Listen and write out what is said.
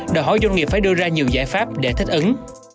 đòi hỏi doanh nghiệp phải đưa ra nhiều giải pháp để thích ứng